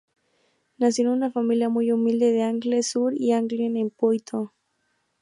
Nació en una familia muy humilde de Angles-sur-l'Anglin en Poitou.